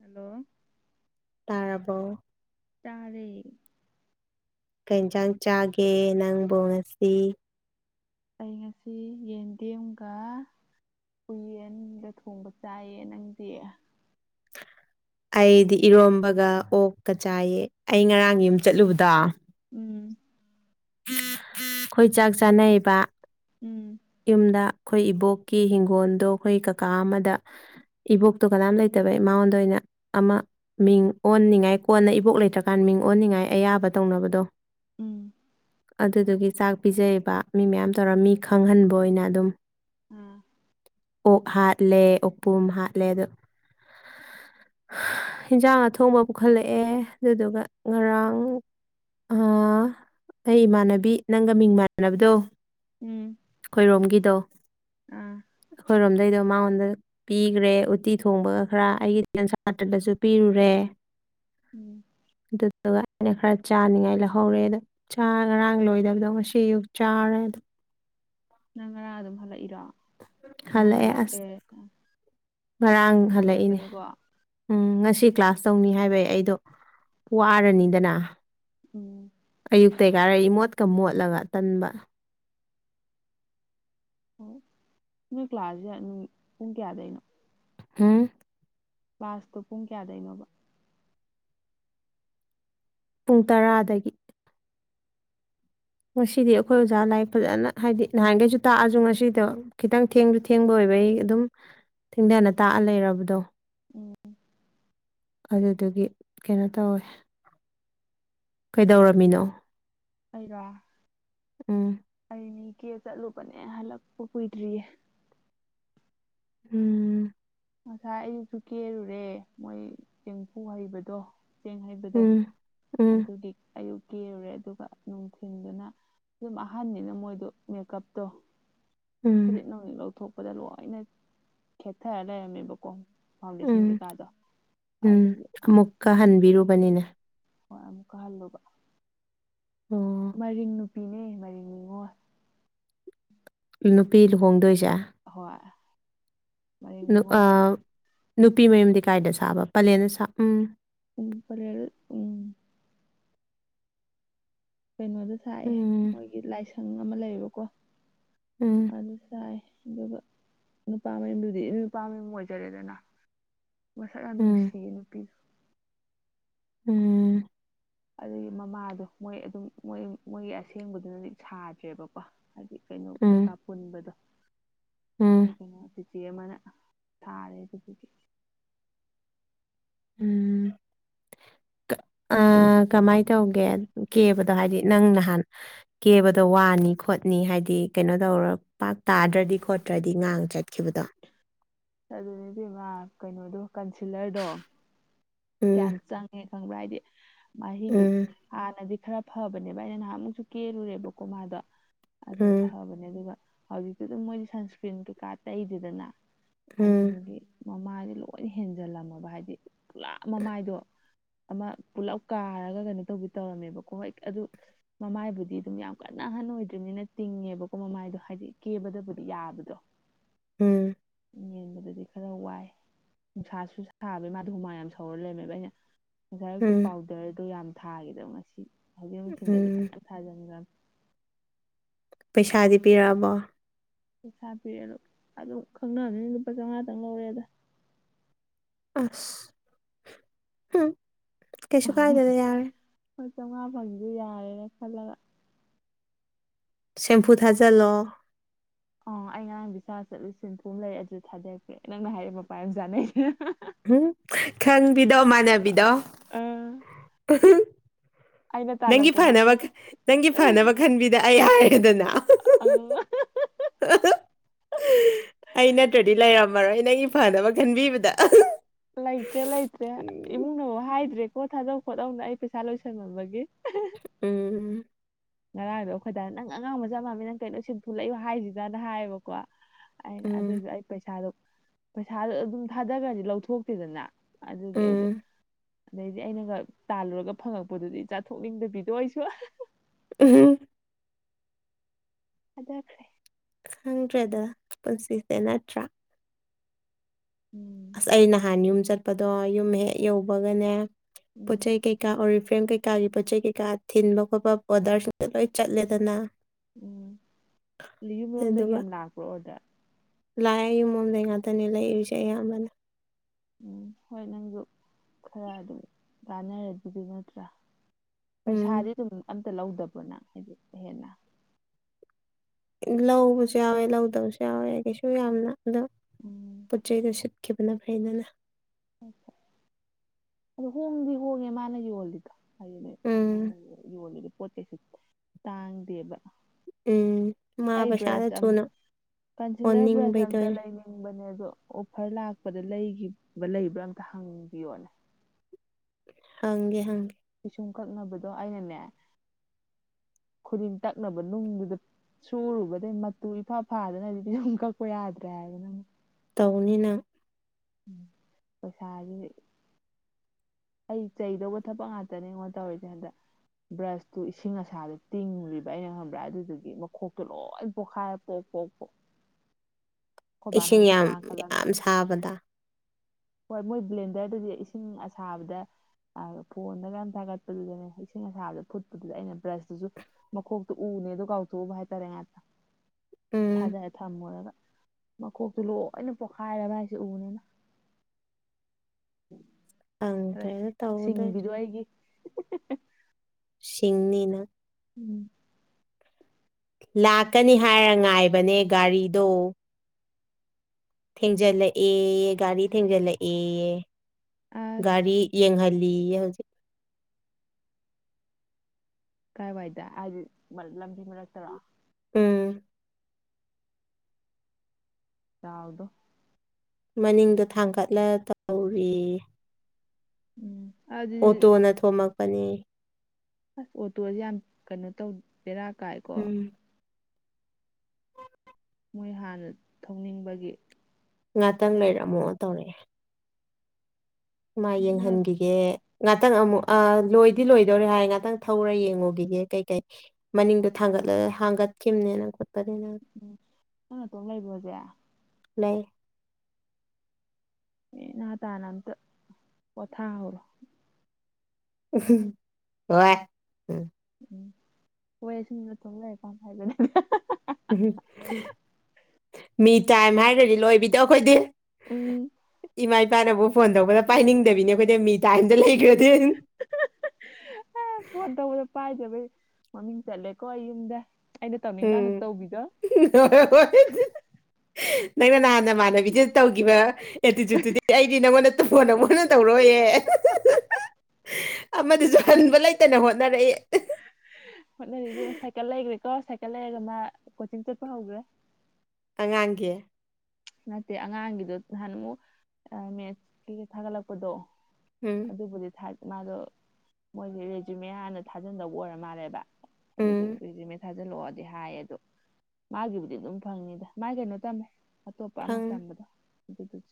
hello ꯇꯥꯔꯕꯣ ꯇꯥꯔꯦ ꯀꯟꯖꯥꯡ ꯆꯥꯒꯦ ꯅꯪꯕꯣꯉꯁꯤ ꯑꯩ ꯉꯁꯤ ꯌꯦꯟꯗꯦꯝꯒ ꯍꯨꯌꯦꯟꯒ ꯊꯣꯡꯕ ꯆꯥꯏꯌꯦ ꯅꯪꯁ ꯑꯩꯗꯤ ꯏꯔꯣꯝꯕꯒ ꯑꯣꯛꯀ ꯆꯥꯏꯌꯦ ꯑꯩ ꯉꯔꯥꯡ ꯌꯨꯝ ꯆꯠꯂꯨꯕꯗꯣ ꯎꯝ ꯑꯩꯈꯣꯏ ꯆꯥꯛ ꯆꯥꯅꯩꯕ ꯎꯝ ꯌꯨꯝꯗ ꯑꯩꯈꯣꯏ ꯏꯕꯣꯛꯀꯤ ꯍꯤꯡꯒꯣꯜꯗꯣ ꯑꯩꯈꯣꯏ ꯀꯀꯥ ꯑꯃꯗ ꯏꯕꯣꯛꯇꯣ ꯀꯗꯥꯝ ꯂꯩꯇ ꯇꯕ ꯃꯉꯣꯟꯗ ꯑꯣꯏꯅ ꯑꯃ ꯃꯤꯡ ꯑꯣꯟꯅꯤꯡꯉꯥꯏ ꯀꯣꯟꯅ ꯏꯕꯣꯛ ꯂꯩꯇ꯭ꯔꯀꯥꯟꯗ ꯃꯤꯡ ꯑꯣꯟꯅꯤꯡꯉꯥꯏ ꯑꯌꯥꯕ ꯇꯧꯅꯕꯗꯣ ꯎꯝ ꯑꯗꯨꯗꯨꯒꯤ ꯆꯥꯛ ꯄꯤꯖꯩꯌꯦꯕ ꯃꯤ ꯃꯌꯥꯝ ꯇꯧꯔ ꯃꯤ ꯈꯪꯍꯟꯕ ꯑꯣꯏꯅ ꯑꯗꯨꯝ ꯎꯝ ꯑꯣ ꯍꯥꯠꯂꯦ ꯑꯣꯄꯨꯝꯝ ꯍꯥꯠꯂꯦ ꯑꯗꯣ ꯑꯦꯟꯁꯥꯡ ꯑꯊꯣꯡꯕ ꯄꯨꯈꯠꯂꯛꯑꯦ ꯑꯗꯨꯗꯨꯒ ꯉꯔꯥꯡ ꯑꯩ ꯏꯃꯥꯟꯅꯕꯤ ꯅꯪꯒ ꯃꯤꯡ ꯃꯥꯟꯅꯕꯗꯣ ꯎꯝ ꯑꯩꯈꯣꯏꯔꯣꯝꯒꯤꯗꯣ ꯑꯥ ꯑꯩꯈꯣꯏꯔꯣꯝꯗꯩꯗꯣ ꯃꯉꯣꯟꯗ ꯄꯤꯈ꯭ꯔꯦ ꯎꯠꯇꯤ ꯊꯣꯡꯕꯒ ꯈꯔ ꯑꯩꯒꯤ ꯇꯦꯟ ꯁꯥꯇ꯭ꯔꯗꯁꯨ ꯄꯤꯔꯨꯔꯦ ꯎꯝ ꯑꯗꯨꯗꯠꯇ ꯑꯩꯅ ꯈꯔ ꯆꯥꯅꯤꯡꯉꯥꯏ ꯂꯧꯍꯧꯔꯑꯦ ꯑꯗꯣ ꯆꯥ ꯉꯔꯥꯡ ꯂꯣꯏꯗꯕꯗꯣ ꯉꯁꯤ ꯑꯨꯛ ꯆꯥꯔꯦ ꯑꯗꯣ ꯅꯪ ꯉꯔꯥꯡ ꯑꯗꯨꯝ ꯍꯜꯂꯛꯏꯔꯣ ꯅꯪ ꯍ ꯍꯜꯂꯛꯑꯦ ꯍꯜꯂꯛ ꯑꯁ ꯑꯦꯦ ꯉꯔꯥꯡ ꯍꯜꯂꯛꯏꯅꯦ ꯎꯝ ꯉꯁꯤ ꯀ꯭ꯂꯥꯁ ꯇꯧꯅꯤ ꯍꯥꯏꯕꯩ ꯑꯩꯗꯣ ꯋꯥꯔꯅꯤꯗꯅ ꯑꯣꯝ ꯀꯩꯀꯥꯔ ꯏ ꯃꯣꯠꯀ ꯃꯣꯠꯂꯒ ꯇꯟꯕ ꯑꯣ ꯅꯣꯏ ꯀ꯭ꯂꯥꯁꯁꯦ ꯄꯨꯡ ꯀꯌꯥꯗꯩꯅꯣ ꯍꯥꯝ ꯕꯥꯁꯇꯣ ꯄꯨꯡ ꯀꯌꯥꯗꯩꯅꯣꯕ ꯄꯨꯡ ꯇꯔꯥꯗꯒꯤ ꯉꯁꯤꯗꯤ ꯑꯩꯈꯣꯏ ꯑꯣꯖꯥ ꯂꯥꯏꯛ ꯐꯖꯅ ꯍꯥꯏꯗꯤ ꯅꯍꯥꯟꯈꯩꯁꯨ ꯇꯥꯛꯑꯁꯨ ꯉꯁꯤꯗꯣ ꯈꯤꯇꯪ ꯊꯦꯡꯁꯨ ꯊꯦꯡꯕ ꯑꯣꯏꯕ ꯑꯩ ꯑꯗꯨꯝ ꯊꯦꯡꯗꯅ ꯇꯥꯛꯑ ꯂꯩꯔꯕꯗꯣ ꯎꯝ ꯑꯗꯨꯗꯨꯒꯤ ꯀꯩꯅꯣ ꯇꯧꯋꯦ ꯀꯩꯗꯧꯔꯝꯃꯤꯅꯣ ꯑꯩꯔ ꯎꯝ ꯅꯤ ꯀꯦ ꯆꯠꯂꯨꯕꯅꯦ ꯍꯜꯂꯛꯄ ꯀꯨꯏꯗ꯭ꯔꯤꯌꯦ ꯎꯝ ꯉꯁꯥꯏ ꯑꯩꯁꯨ ꯀꯦꯔꯨꯔꯦ ꯃꯣꯏ ꯆꯦꯡꯐꯨ ꯍꯩꯕꯗꯣ ꯆꯦꯡ ꯍꯩꯕꯗꯣ ꯎꯝ ꯎꯝ ꯑꯗꯨꯒꯤ ꯑꯌꯨꯛ ꯀꯤꯔꯨꯔꯦ ꯑꯗꯨꯒ ꯅꯨꯡꯊꯤꯤꯟꯗꯨꯅ ꯑꯗꯨꯝ ꯑꯍꯟꯅꯤꯅ ꯃꯣꯏꯗꯣ ꯃꯦꯀꯞꯇꯣ ꯎꯝ ꯐꯨꯗꯤꯠ ꯅ ꯂꯧꯊꯣꯛꯄꯗ ꯂꯣꯏꯅ ꯈꯦꯊꯔ ꯂꯩꯔꯝꯃꯦꯕꯀꯣ ꯐꯥꯎꯟꯗꯦꯁꯟ ꯎꯝ ꯀꯩꯀꯥꯗꯣ ꯎꯝ ꯑꯗꯨꯒꯤ ꯑꯃꯨꯛꯀ ꯑꯃꯨꯛ ꯍꯟꯕꯤꯔꯨꯕꯅꯤꯅ ꯍꯣꯏ ꯑꯃꯨꯛꯀꯥ ꯍꯜꯂꯣꯕ ꯑꯣ ꯃꯔꯤꯡ ꯅꯨꯄꯤꯅꯦ ꯃꯔꯤꯡ ꯅꯤꯉꯣ ꯅꯨꯄꯤ ꯂꯨꯍꯣꯡꯗꯣꯏꯁ ꯍꯣꯏ ꯃꯔꯤꯡ ꯅꯤꯉꯣꯜ ꯀꯩꯅꯣ ꯅꯨꯄꯤ ꯃꯌꯨꯝꯗꯤ ꯀꯥꯏꯗ ꯁꯥꯕ ꯄꯂꯦꯅ ꯁꯥ ꯎꯝ ꯎ ꯐꯔꯦꯜ ꯎꯝ ꯀꯩꯅꯣꯗ ꯁꯥꯏꯌꯦ ꯎꯝ ꯃꯣꯏꯒꯤ ꯂꯥꯏꯁꯪ ꯑꯃ ꯂꯩꯌꯦꯕꯀꯣ ꯎꯝ ꯑꯗꯨ ꯁꯥꯏ ꯑꯗꯨꯒ ꯅꯨꯄꯥ ꯃꯌꯨꯝꯗꯨꯗꯤ ꯅꯨꯄꯥ ꯃꯌꯨꯝ ꯑꯣꯏꯖꯔꯦꯗꯅ ꯃꯁꯛ ꯌꯥꯝ ꯎꯝ ꯅꯨꯡꯁꯤꯌꯦ ꯅꯨꯄꯤꯗꯣ ꯎꯝ ꯑꯗꯨꯒꯤ ꯃꯃꯥꯗꯣ ꯃꯣꯏ ꯑꯗꯨꯝ ꯃꯣꯏ ꯃꯣꯏꯒꯤ ꯑꯁꯦꯡꯕꯗꯨꯅꯗꯤ ꯁꯥꯗ꯭ꯔꯦꯕꯀꯣ ꯍꯥꯏꯗꯤ ꯀꯩꯅꯣ ꯀꯩꯀꯥ ꯎꯝ ꯄꯨꯟꯕꯗꯣ ꯎꯝ ꯑꯩꯈꯣꯏ ꯀꯩꯅꯣ ꯆꯤꯆꯦ ꯑꯃꯅ ꯊꯥꯔꯦ ꯑꯗꯨꯒꯤ ꯎꯝ ꯑ ꯀꯃꯥꯏ ꯇ ꯍꯧꯒꯦ ꯀꯦꯕꯗꯣ ꯍꯥꯏꯗꯤ ꯅꯪ ꯅꯍꯥꯟ ꯀꯦꯕꯗꯣ ꯋꯥꯅꯤ ꯈꯣꯠꯅꯤ ꯍꯥꯏꯗꯤ ꯀꯩꯅꯣ ꯇꯧꯔꯒ ꯄꯥꯛ ꯇꯥꯗ꯭ꯔꯗꯤ ꯈꯣꯠꯇ꯭ꯔꯗꯤ ꯉꯥꯡ ꯆꯠꯈꯤꯕꯗꯣ ꯑꯗꯨꯅꯦꯗꯤꯕꯥ ꯀꯩꯅꯣꯗꯣ ꯀꯟꯁꯤꯂꯔꯗꯣ ꯀꯌꯥꯝ ꯎꯝ ꯆꯪꯉꯦ ꯈꯪꯕ꯭ꯔꯥ ꯍꯥꯏꯗꯤ ꯃꯍꯤꯡꯗꯨ ꯎꯝ ꯍꯥꯟꯅꯗꯤ ꯈꯔ ꯐꯕꯅꯦꯕ ꯑꯩꯅ ꯅꯍꯥꯟꯃꯨꯛꯁꯨ ꯀꯦꯔꯨꯔꯦꯕꯀꯣ ꯃꯥꯗꯣ ꯑꯗꯨ ꯎꯝ ꯐꯕꯅꯦ ꯑꯗꯨꯒ ꯍꯧꯖꯤꯛꯇꯤ ꯑꯗꯨꯝ ꯃꯣꯏꯗꯤ ꯁꯟꯁꯀ꯭ꯔꯤꯟ ꯀꯩꯀꯥ ꯇꯛꯏꯗꯗꯅ ꯎꯝ ꯑꯗꯨꯗꯨꯒꯤ ꯃꯃꯥꯗꯤ ꯂꯣꯏ ꯍꯦꯟꯖꯜꯂꯝꯃꯕ ꯍꯥꯏꯗꯤ ꯄꯨꯂꯥ ꯑꯃ ꯄꯨꯂꯞ ꯀꯥꯔꯒ ꯀꯩꯅꯣ ꯇꯧꯕꯤ ꯇꯧꯔꯝꯃꯦꯕꯀꯣ ꯍꯣꯏ ꯑꯗꯨ ꯃꯃꯥꯏꯕꯨꯗꯤ ꯑꯗꯨꯝ ꯌꯥꯝ ꯀꯟꯅ ꯑꯍꯟ ꯑꯣꯏꯗ꯭ꯔꯤꯕꯅꯤꯅ ꯇꯤꯡꯉꯦꯕꯀꯣ ꯃꯃꯥꯏꯗꯣ ꯍꯥꯏꯗꯤ ꯀꯦꯕꯗꯕꯨꯗꯤ ꯌꯥꯕꯗꯣ ꯎꯝ ꯌꯦꯟꯕꯗꯗꯤ ꯈꯔ ꯋꯥꯏ ꯅꯨꯡꯁꯥꯁꯨ ꯁꯥꯕꯒꯤ ꯃꯥꯗ ꯍꯨꯃꯥꯡ ꯌꯥꯝ ꯁꯧꯔ ꯂꯩꯔꯝꯃꯦꯕ ꯑꯩꯅ ꯉꯁꯥꯏꯔꯛꯄ ꯎꯝ ꯄꯥꯎꯗꯔꯗꯣ ꯌꯥꯝ ꯊꯥꯈꯤꯗꯕ ꯉꯁꯤ ꯍꯧꯖꯤꯛ ꯅꯨꯡꯊꯤꯟꯗꯗꯤ ꯎꯝ ꯐꯖꯅ ꯊꯥꯖꯤꯟꯈ꯭ꯔꯅꯤ ꯄꯩꯁꯥꯗꯤ ꯄꯤꯔꯛꯑꯕꯣ ꯄꯩꯁꯥ ꯄꯤꯔꯦ ꯑꯗꯨ ꯑꯗꯨ ꯈꯪꯅꯕꯅꯤꯅ ꯂꯨꯄꯥ ꯆꯥꯝꯃꯉꯥꯗꯪ ꯂꯧꯔꯦꯗ ꯑꯁ ꯎꯝ ꯀꯩꯁꯨ ꯀꯥꯏꯗꯗ ꯌꯥꯔꯦ ꯍꯣꯏ ꯆꯥꯝꯃꯉꯥ ꯐꯪꯒꯤꯗ ꯌꯥꯔꯦꯅ ꯈꯜꯂꯒ ꯁꯦꯝꯄꯨ ꯊꯥꯖꯂꯣ ꯑꯣ ꯑꯩ ꯉꯔꯥꯡ ꯕꯤꯁꯥ ꯆꯠꯂꯨ ꯁꯤꯟꯐꯝꯨꯝ ꯂꯩ ꯑꯗꯨ ꯊꯥꯗꯔꯄ꯭ꯔꯦ ꯅꯪꯅ ꯍꯥꯏꯔ ꯃꯄꯥꯏꯔꯝ ꯆꯥꯅꯩ ꯎꯝ ꯈꯪꯕꯤꯗꯣ ꯃꯥꯟꯅꯕꯤꯗꯣ ꯑꯥ ꯐꯨꯝ ꯑꯩꯅ ꯅꯪꯒꯤ ꯇꯥꯜꯂꯛꯄꯗꯨꯗꯤ ꯌꯥꯝ ꯐꯅꯕ ꯅꯪꯒꯤ ꯐꯅꯕ ꯈꯟꯕꯤꯗ ꯑꯩ ꯍꯥꯏꯔ ꯑꯗꯨꯗꯅ ꯑꯪ ꯑꯩ ꯅꯠꯇ꯭ꯔꯗꯤ ꯂꯩꯝꯕ ꯃꯔꯣꯏ ꯅꯪꯒꯤ ꯐꯅꯕ ꯈꯟꯕꯤꯕꯗ ꯂꯩꯇ꯭ꯔꯦ ꯂꯩꯇ꯭ꯔꯦ ꯎꯝ ꯏꯃꯨꯡꯅ ꯍꯥꯏꯗ꯭ꯔꯦ ꯄꯣꯠ ꯊꯥꯗꯧ ꯈꯣꯠꯇꯧꯅ ꯑꯩ ꯄꯩꯁꯥ ꯂꯣꯏꯁꯟꯅꯃꯕꯒꯤ ꯎꯝ ꯉꯔꯥꯡꯗꯣ ꯑꯩꯈꯣꯏꯗꯥ ꯅꯪ ꯑꯉꯥꯡꯕ ꯆꯞ ꯃꯝꯃꯤ ꯅꯪ ꯀꯩꯅꯣ ꯁꯟ ꯊꯣꯛꯂꯛꯏꯑꯣ ꯍꯥꯏꯁꯤꯖꯅ ꯍꯥꯏꯌꯦꯕꯀꯣ ꯑꯩꯅ ꯎꯝ ꯑꯗꯨꯁꯨ ꯑꯩ ꯄꯩꯁꯥꯗꯣ ꯄꯩꯁꯥꯗꯣ ꯑꯗꯨꯝ ꯊꯥꯗꯈ꯭ꯔꯗꯤ ꯂꯧꯊꯣꯛꯇꯦꯗꯅ ꯑꯗꯨꯒꯤ ꯑꯩꯗꯣ ꯎꯝ ꯑꯗꯩꯗꯤ ꯑꯩꯅꯒ ꯇꯥꯜꯂꯨꯔꯒ ꯐꯪꯉꯛꯄꯗꯨꯗꯤ ꯆꯥꯊꯣꯛꯅꯤꯡꯗꯕꯤꯗꯣ ꯑꯩꯁꯨ ꯎꯝ ꯑꯗ ꯐ꯭ꯔꯦ ꯈꯪꯗ꯭ꯔꯦꯗ ꯄꯨꯟꯁꯤꯁꯦ ꯅꯠꯇ꯭ꯔꯥ ꯎꯝ ꯑꯁ ꯑꯩ ꯅꯍꯥꯟ ꯌꯨꯝ ꯆꯠꯄꯗꯣ ꯌꯨꯝ ꯍꯦꯛ ꯌꯧꯕꯒꯅꯦ ꯄꯣꯠ ꯎꯝ ꯆꯩꯩ ꯀꯩꯀꯥ ꯑꯣꯏ ꯑꯦꯦꯝ ꯀꯩꯀꯥꯒꯤ ꯄꯣꯠ ꯆꯩ ꯀꯩꯀꯥ ꯊꯤꯟꯕ ꯈꯣꯠꯄ ꯑꯣꯗꯔꯁꯤꯡꯗ ꯂꯣꯏ ꯆꯠꯂꯦꯗꯅ ꯎꯝ ꯌꯨꯝ ꯂꯣꯝꯗꯒꯤ ꯌꯥꯝ ꯂꯥꯛꯄ꯭ꯔꯣ ꯑꯣꯗ ꯂꯥꯛꯑꯦꯌꯨꯝ ꯃꯝꯗꯩ ꯉꯥꯛꯇꯅꯤ ꯂꯩꯥꯛꯌꯨꯁꯦ ꯑꯌꯥꯝꯕꯅ ꯎꯝ ꯍꯣꯏ ꯅꯪꯁꯨ ꯈꯔ ꯑꯗꯨꯝ ꯇꯥꯟꯅꯔ ꯑꯗꯨꯗꯤ ꯅꯠꯇ꯭ꯔꯥ ꯎꯝ ꯄꯩꯁꯥꯗꯤ ꯑꯗꯨꯝ ꯑꯝꯇ ꯂꯧꯗꯕꯅ ꯍꯥꯏꯗꯤ ꯍꯦꯟꯅ ꯂꯧꯕꯁꯨ ꯌꯥꯎꯋꯦ ꯂꯧꯗꯕꯁꯨ ꯌꯥꯎꯋꯦ ꯀꯩꯁꯨ ꯌꯥꯝꯅ ꯑꯗꯣ ꯎꯝ ꯄꯣꯠ ꯆꯩꯩꯗ ꯁꯤꯠ ꯈꯤꯕꯅ ꯐ꯭ꯔꯦꯗꯅ ꯑꯗꯨꯗ ꯍꯣꯡꯉꯗꯤ ꯍꯣꯒꯦ ꯃꯥꯅꯒꯤ ꯍꯣꯜꯗꯤꯗ ꯑꯗꯨꯅ ꯅꯪꯅ ꯎꯝ ꯌꯣꯜꯂꯤꯗ ꯄꯣꯠ ꯆꯩꯩꯁꯨ ꯇꯥꯡꯗꯦꯕ ꯎ ꯑꯩ ꯕ꯭ꯔꯁ ꯀꯟꯁꯤꯂꯔ ꯕ꯭ꯔꯁ ꯑꯣꯟꯅꯤꯡꯕꯩ ꯑꯝꯇ ꯇꯧꯔꯤꯅꯦ ꯂꯩꯅꯤꯡꯕꯅꯦꯕ ꯑꯗꯣ ꯑꯣꯐꯔ ꯂꯥꯛꯄꯗ ꯂꯩꯈꯤꯕ ꯂꯩꯕ꯭ꯔꯥ ꯑꯝꯇ ꯍꯪꯕꯤꯌꯣꯅꯦ ꯍꯦ ꯍ ꯁꯨꯝ ꯀꯛꯅꯕꯗꯣ ꯑꯩꯅꯅꯦ ꯈꯨꯗꯤꯡ ꯇꯛꯅꯕ ꯅꯨꯡꯗꯨꯗ ꯁꯨꯔꯨꯕꯗꯒꯤꯩ ꯃꯇꯨ ꯏꯐꯥ ꯐꯥꯗꯅ ꯑꯗꯨꯗꯤ ꯁꯨꯝ ꯀꯛꯄ ꯌꯥꯗ꯭ꯔꯦ ꯍꯥꯏꯗꯅꯪ ꯀꯅꯤꯅ ꯎꯝ ꯄꯩꯁꯥꯒꯤ ꯑꯩ ꯆꯩꯗꯧꯕ ꯊꯕꯛ ꯉꯥꯛꯇꯅꯦ ꯑꯩꯉꯣꯟ ꯇꯧꯔꯤꯁꯦ ꯍꯟꯗꯛ ꯕ꯭ꯔꯁꯇꯨ ꯏꯁꯤꯡ ꯑꯁꯥꯗ ꯇꯤꯡꯂꯤꯕ ꯑꯩꯅ ꯈꯪꯕ꯭ꯔꯥ ꯑꯗꯨꯗꯨꯗꯒꯤ ꯃꯈꯣꯛꯇꯣ ꯂꯣꯏ ꯄꯣꯈꯥꯏꯔ ꯄꯣꯛ ꯍ ꯐꯣ ꯏꯁꯤꯡ ꯌꯥꯝ ꯌꯥꯝ ꯁꯥꯕꯗ ꯍꯣꯏ ꯃꯣꯏ ꯕ꯭ꯂꯦꯟꯗꯔꯗꯗꯤ ꯏꯁꯤꯡ ꯑꯁꯥꯕꯗ ꯑ ꯐꯣꯟꯗꯒ ꯌꯥꯝ ꯊꯥꯒꯠꯄꯗꯨꯗꯅꯦ ꯏꯁꯤꯡ ꯑꯁꯥꯕꯗ ꯐꯨꯠꯄꯗꯨꯗ ꯑꯩꯅ ꯕ꯭ꯔꯁꯇꯨꯁꯨ ꯃꯈꯣꯛꯇꯨ ꯎ ꯐꯅꯦꯗꯣ ꯀꯥꯎꯊꯣꯛꯎꯕ ꯍꯥꯏꯇꯥꯔꯦ ꯉꯥꯛꯇ ꯎꯝ ꯊꯥꯖꯔꯦ ꯊꯝꯃꯨꯔꯒ ꯃꯀꯣꯛꯇꯨ ꯂꯣꯏꯅ ꯄꯣꯛꯈꯥꯏꯔꯔꯕ ꯍꯥꯏꯁꯦ ꯎꯅꯤꯅ ꯑ ꯐꯪꯗ꯭ꯔꯦꯅ ꯇꯧꯗꯣꯏ ꯁꯤꯡꯕꯤꯗꯣ ꯑꯩꯒꯤ ꯁꯤꯁꯤꯡꯅꯤꯅ ꯎꯝ ꯂꯥꯛꯀꯅꯤ ꯍꯥꯏꯔ ꯉꯥꯏꯕꯅꯦ ꯒꯥꯔꯤꯗꯣ ꯊꯦꯡꯖꯤꯜꯂꯛꯑꯦ ꯒꯥꯔꯤ ꯊꯦꯡꯖꯤꯜꯂꯛꯑꯦ ꯑꯁ ꯒꯥꯔꯤ ꯌꯦꯡꯍꯜꯂ ꯍꯧꯖꯤꯛ ꯀꯥꯏꯋꯥꯏꯗ ꯍꯥꯏꯗꯤ ꯂꯝꯁꯤ ꯃꯔꯛꯇꯔꯣ ꯎꯝ ꯌꯥꯥꯎꯗꯣ ꯃꯅꯤꯡꯗ ꯊꯥꯡꯒꯠꯂ ꯇꯧꯔꯤ ꯎꯝ ꯑꯗꯨꯗꯤ ꯑꯣꯇꯣꯅ ꯊꯣꯝꯃꯛꯄꯅꯤ ꯑꯁ ꯑꯣꯇꯣꯁꯦ ꯌꯥꯝ ꯀꯩꯅꯣ ꯇꯧ ꯦꯔꯥ ꯀꯥꯏꯀꯣ ꯎꯝ ꯃꯣꯏ ꯍꯥꯟꯅ ꯊꯧꯅꯤꯡꯕꯒꯤ ꯉꯥꯛꯇꯪ ꯂꯩꯔꯝꯃꯣ ꯇꯧꯔꯑꯦ ꯃꯥ ꯎꯝ ꯅꯪ ꯌꯦꯡꯍꯟꯈꯤꯒꯦ ꯉꯥꯛꯇꯪ ꯑꯃꯨꯛ ꯂꯣꯏ ꯗꯤ ꯂꯣꯏꯗꯧꯔꯦ ꯍꯥꯏꯔ ꯉꯥꯛꯇꯪ ꯊꯧꯔ ꯌꯦꯡꯉꯨꯒꯤꯒꯦ ꯀꯩ ꯀꯩ ꯃꯅꯤꯡꯗꯣ ꯊꯥꯡꯒꯠꯂ ꯊꯥꯡꯒꯠꯈꯤꯕꯅꯦꯅ ꯎꯝ ꯅꯪ ꯇꯣ ꯂꯩꯕ꯭ꯔꯣꯁꯦ ꯄ꯭ꯂꯦ ꯑꯦ ꯅꯍꯥ ꯇꯥꯅ ꯑꯝꯇ ꯄꯣꯊꯥꯍꯔꯣ ꯍꯣꯏ ꯎꯝ ꯍꯣꯏ ꯁꯨꯝꯅꯠꯇꯣꯡ ꯂꯩꯔꯦꯀꯥꯟ ꯍꯥꯏꯕꯅꯦ ꯃꯤ ꯇꯥꯏꯝ ꯍꯥꯏꯔꯗꯤ ꯂꯣꯏꯕꯤꯗꯣ ꯑꯩꯈꯣꯏꯗꯤ ꯎꯝ ꯏꯃꯥ ꯏꯄꯥꯅꯕꯨ ꯐꯣꯟ ꯇꯧꯕꯗ ꯄꯥꯏꯅꯤꯡꯗꯕꯤꯅꯦ ꯑꯩꯈꯣꯏꯗ ꯃꯤ ꯇꯥꯏꯝꯗ ꯂꯩꯈ꯭ꯔꯗꯤ ꯑꯦ ꯐꯗꯗ ꯄꯥꯏ ꯃꯃꯤꯡ ꯆꯂꯦꯀꯣ ꯑꯏ ꯑꯗ ꯎꯝ ꯅꯪꯅ ꯅꯍꯥꯟ ꯃꯥꯟꯅꯕꯤꯁꯤ ꯇꯧꯈꯤꯕ ꯑꯦꯇꯤꯇꯨꯠꯇꯨꯗꯤ ꯑꯩꯗꯤ ꯅꯪꯉꯣꯟꯗ ꯇꯧꯔꯣ ꯅꯪꯉꯣꯟꯗꯅ ꯇꯧꯔꯣꯏ ꯑꯃꯗꯨꯁꯨ ꯍꯟꯕ ꯂꯩꯇꯅ ꯍꯣꯠꯅꯔꯛꯏ ꯍꯣꯠꯅꯔꯤꯗꯤ ꯁꯥꯏꯀꯜ ꯂꯩꯈ꯭ꯔꯦꯀꯣ ꯁꯥꯏꯀꯜ ꯂꯩꯔꯒ ꯃꯥ ꯀꯣꯆꯤꯡ ꯆꯠꯄ ꯍꯧꯈ꯭ꯔꯦ ꯑꯉꯥꯡꯒꯤ ꯅꯠꯇꯦ ꯑꯉꯥꯡꯒꯤꯗꯣ ꯍꯥꯟ ꯑꯃꯨꯛ ꯃꯦꯠ ꯀꯩꯀꯩ ꯊꯥꯒꯠꯂꯛꯄꯗꯣ ꯎꯝ ꯑꯗꯨꯕꯨꯗꯤ ꯃꯥꯗꯣ ꯃꯣꯏꯗꯤ ꯔꯦꯖꯤꯃꯦꯌꯥꯅ ꯊꯥꯖꯤꯟꯗꯧꯕ ꯑꯣꯏꯔ ꯃꯥꯜꯂꯦꯕ ꯑꯗꯨ ꯎꯝ ꯊꯥꯖꯤꯜꯂꯛꯑꯣꯗꯤ ꯍꯥꯏꯌꯦ ꯑꯗꯣ ꯃꯥꯒꯤꯕꯨꯗꯤ ꯑꯗꯨꯝ ꯐꯪꯅꯤꯗ ꯃꯥꯥꯏ ꯀꯩꯅꯣ ꯇꯝꯃꯦ ꯑꯇꯣꯞꯄ ꯑꯃ ꯐꯪ ꯇꯝꯕꯗꯣ ꯑꯗꯨ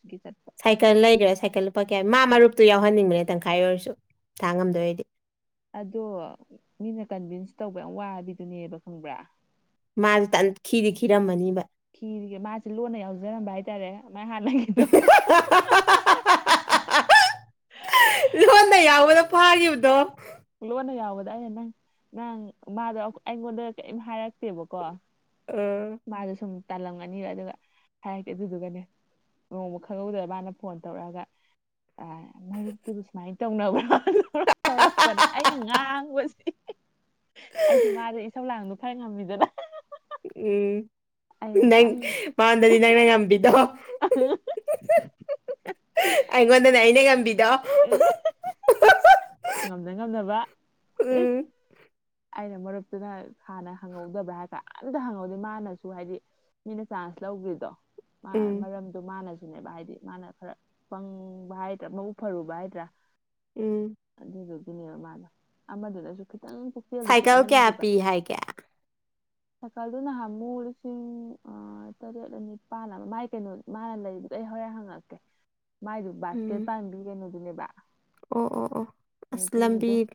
ꯁꯥꯏꯀꯜ ꯂꯩꯗ꯭ꯔꯥ ꯁꯥꯏꯀꯜ ꯂꯨꯄꯥ ꯃꯥ ꯃꯔꯨꯞꯇꯨ ꯌꯥꯎꯍꯟꯅꯤꯡꯕꯅꯦ ꯇꯪꯈꯥꯏ ꯑꯣꯏꯔꯁꯨ ꯊꯥꯡ ꯉꯝꯗꯣꯏꯔꯗꯤ ꯑꯗꯣ ꯃꯤꯅ ꯀꯟꯚꯤꯟꯁ ꯇꯧꯕ ꯌꯥꯝ ꯋꯥꯕꯤꯗꯨꯅꯦꯕ ꯈꯪꯕ꯭ꯔꯥ ꯃꯥꯁ ꯇ ꯈꯤꯗꯤ ꯈꯤꯔꯝꯃꯅꯤ ꯈꯤꯔꯒ ꯃꯥꯁꯦ ꯂꯣꯟꯅ ꯌꯥꯎꯖꯔꯝꯕ ꯍꯥꯏꯇꯥꯔꯦ ꯃꯥꯥꯏ ꯍꯥꯟꯅꯉꯦꯗꯣ ꯂꯣꯟꯅ ꯌꯥꯎꯕꯅ ꯐꯥꯈꯤꯕꯗꯣ ꯂꯣꯟꯅ ꯌꯥꯎꯕꯗ ꯑꯩꯅ ꯅꯪ ꯅꯪ ꯃꯥꯗꯣ ꯑꯩꯉꯣꯟꯗ ꯀꯔꯤꯝ ꯍꯥꯏꯔꯛꯇꯦꯕꯀꯣ ꯑ ꯃꯥꯗ ꯁꯨ ꯇꯥꯜꯂꯝꯒꯅꯤꯕ ꯑꯗꯨꯒ ꯍꯥꯏꯔꯀꯦ ꯑꯗꯨꯗꯨꯒꯅꯦ ꯅꯣꯡꯃ ꯈꯪꯍꯧꯗ ꯃꯥꯅ ꯐꯣꯟ ꯇꯧꯔꯛꯑꯒ ꯃꯔꯨꯞꯛꯇꯨꯕꯨ ꯁꯨꯃꯥꯏꯅ ꯇꯧꯅꯕ꯭ꯔꯥ ꯇꯧ ꯀ ꯑꯩꯅ ꯉꯥꯡꯕꯁꯦ ꯑꯩꯁꯨ ꯃꯥꯁꯦ ꯏꯁꯝ ꯂꯥꯡꯗꯣ ꯐꯔ ꯉꯝꯃꯤꯗꯅ ꯎꯝ ꯅꯪ ꯃꯥꯟꯗꯗꯤ ꯅꯪꯅ ꯉꯝꯕꯤꯗꯣ ꯑꯩꯒꯣꯟꯗ ꯅꯏꯅꯦꯒ ꯗ ꯉꯝꯗ ꯉꯝꯗꯕ ꯑꯩꯅ ꯃꯔꯨꯞꯇꯨꯅ ꯍꯥꯟꯅ ꯍꯪꯍꯧꯗꯕ꯭ꯔꯥ ꯍꯥꯏꯇꯥꯔꯦ ꯑꯝꯇ ꯍꯪꯍꯧꯗꯦ ꯃꯥꯅꯁꯨ ꯍꯥꯏꯗꯤ ꯃꯤꯅ ꯆꯥꯟꯁ ꯂꯧꯗ꯭ꯔꯤꯗꯣ ꯎꯝ ꯃꯔꯝꯗ ꯃꯥꯅꯁꯨ ꯁꯤꯅꯦꯕ ꯍꯥꯏꯗꯤ ꯃꯥꯅ ꯈꯔ ꯄꯪꯕ ꯍꯥꯏꯗ꯭ꯔꯥ ꯃꯎ ꯐꯔꯨꯕ ꯍꯥꯏꯗ꯭ꯔꯥ ꯎꯝ ꯑꯗꯨꯗꯨꯒꯤꯅꯦꯕ ꯃꯥꯗꯣ ꯑꯃꯗꯨꯗꯁꯨ ꯈꯤꯇꯪ ꯄꯨꯛꯆꯦꯜꯗꯣ ꯁꯥꯏꯀꯜ ꯀꯌꯥ ꯄꯤꯛꯃꯟꯈꯤꯕ ꯄꯤ ꯍꯥꯏꯒꯦ [unintelligible] ꯁꯀꯜꯗꯨ ꯅꯍꯥꯟ ꯑꯃꯨꯛ ꯂꯤꯁꯤꯡ ꯑ ꯇꯔꯦꯠ ꯑꯅꯤꯄꯥꯜ ꯑꯃ ꯃꯥꯏ ꯀꯩꯅꯣ ꯃꯥꯅ ꯂꯩꯕꯗ ꯑꯩ ꯍꯧ ꯍꯔ ꯍꯪꯉꯛꯀꯦ ꯃꯥꯏꯗꯨ ꯕꯥꯁꯀꯦꯠ ꯎꯝ ꯄꯥꯝꯕꯤ ꯀꯩꯅꯣꯗꯨꯅꯦꯕ ꯑꯣ ꯑꯣ ꯑꯣ ꯅꯨꯄꯤꯒꯤꯗꯣ ꯑꯁꯂꯝꯕꯤꯔ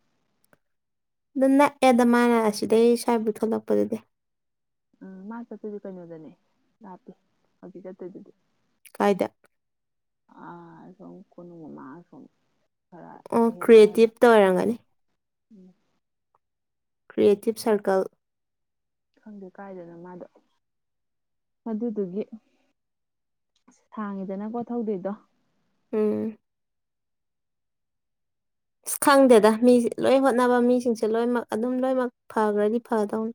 ꯑꯗꯨ ꯅꯛꯑꯦꯗ ꯃꯥꯅ ꯑꯁꯤꯗꯩ ꯁ꯭ꯋꯥꯕꯨ ꯊꯣꯛꯂꯛꯄꯗꯨꯗꯤ ꯎꯝ ꯃꯥ ꯆꯠꯇꯣꯏꯁ ꯀꯩꯅꯣꯗꯅꯦ ꯂꯥꯞꯄꯤꯦ ꯍꯧꯖꯤꯛ ꯆꯠꯇꯣꯏꯗꯨꯗꯤ ꯀꯥꯏꯗ ꯑ ꯀꯣꯃꯝ ꯑꯣ ꯀ꯭ꯔꯤꯌꯦꯇꯤꯞꯇ ꯑꯣꯏꯔꯝꯒꯅꯤ ꯎꯝ ꯀ꯭ꯔꯤꯌꯦꯇꯤꯞ ꯁꯔꯀꯜ ꯈꯪꯗꯦ ꯀꯥꯏꯗꯅ ꯃꯥꯗꯣ ꯑꯗꯨꯗꯨꯒꯤ ꯁꯥꯡꯉꯤꯗꯅꯀꯣ ꯊꯧꯗꯣꯏꯗꯣ ꯎꯝ ꯑꯁ ꯈꯪꯗꯦꯗ ꯃꯤ ꯂꯣꯏ ꯍꯣꯠꯅꯕ ꯃꯤꯁꯤꯡꯁꯦ ꯂꯣꯏꯅꯃꯛ ꯑꯗꯨꯝ ꯂꯣꯏꯅꯃꯛ ꯐꯈ꯭ꯔꯗꯤ ꯐꯗꯧꯅꯤ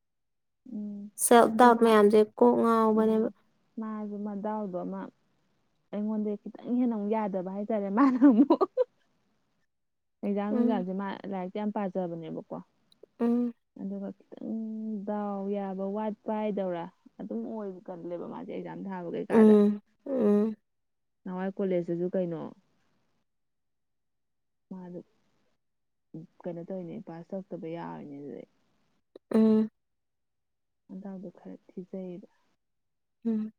ꯎꯝ ꯁꯦꯜ ꯗꯥꯛ ꯃꯥ ꯃꯌꯥꯝꯁꯦ ꯀꯣꯛ ꯉꯥꯎꯕꯅꯦꯕ ꯎꯝ ꯃꯥꯁꯨ ꯃ ꯗꯥꯎꯗꯣ ꯑꯃ ꯑꯩꯉꯣꯟꯗ ꯈꯤꯇꯪ ꯍꯦꯟꯅ ꯑꯃꯨꯛ ꯌꯥꯗꯕ ꯍꯥꯏꯇꯥꯔꯦ ꯃꯥꯅ ꯑꯃꯨꯛ ꯍꯩꯖꯥꯡ ꯎꯝ ꯅꯨꯡꯁꯥꯡꯁꯦ ꯃꯥ ꯂꯥꯏꯔꯤꯛꯇ ꯌꯥꯝ ꯄꯥꯖꯕꯅꯦꯕꯀꯣ ꯎꯝ ꯑꯗꯨꯒ ꯈꯤꯇꯪ ꯗꯥꯎ ꯌꯥꯕ ꯋꯥꯠꯄ ꯍꯥꯏꯗꯧꯔꯥ ꯑꯗꯨꯝ ꯑꯣꯏꯕ ꯀꯜꯂꯦꯕ ꯃꯥꯁꯦ ꯌꯥꯝ ꯊꯥꯕ ꯀꯩꯀꯥꯗ ꯎꯝ ꯎꯝ ꯅꯍꯥꯟꯋꯥꯏ ꯀꯣꯂꯦꯖꯇꯁꯨ ꯀꯩꯅꯣ ꯃꯥꯗ ꯀꯩꯅꯣ ꯇꯧꯔꯤꯅꯦ ꯄꯥꯁ ꯇꯧꯔꯛꯇꯕ ꯌꯥꯔꯣꯏꯅꯦ ꯑꯗꯨꯗꯩ ꯎꯝ ꯍꯖꯥꯎꯗꯣ ꯈꯔ ꯊꯤꯖꯩꯌꯦꯕ ꯎꯝ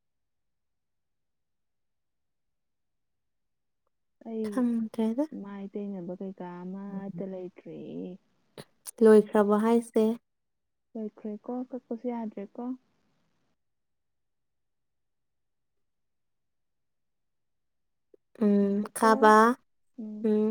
ꯑꯩ ꯈꯪꯗ꯭ꯔꯦꯗ ꯏꯃꯥꯏ ꯇꯩꯅꯕ ꯀꯥ ꯑꯃꯠꯇ ꯂꯩꯇ꯭ꯔꯤ ꯔꯥꯕꯍꯥꯏꯁ ꯂꯣꯏꯈ꯭ꯔꯦꯀꯣ ꯀꯛꯄꯁꯨ ꯌꯥꯗ꯭ꯔꯦꯀꯣ ꯎꯝ ꯉꯥꯏꯈꯣꯀꯣ ꯈꯥꯕ ꯎꯝ